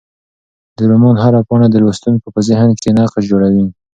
د رومان هره پاڼه د لوستونکي په ذهن کې نقش جوړوي.